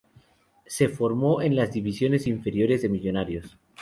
Se formó en las divisiones inferiores de Millonarios.